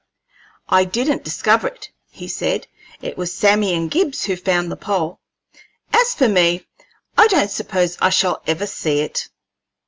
"I didn't discover it," he said; "it was Sammy and Gibbs who found the pole. As for me I don't suppose I shall ever see it."